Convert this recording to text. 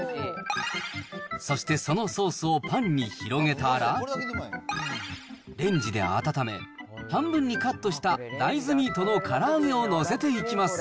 そしてそのソースをパンに広げたら、レンジで温め、半分にカットした大豆ミートのから揚げを載せていきます。